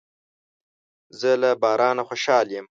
زه له بارانه خوشاله یم.